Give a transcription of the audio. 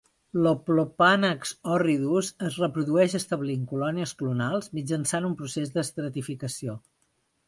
L'"Oplopanax horridus" es reprodueix establint colònies clonals mitjançant un procés d'estratificació.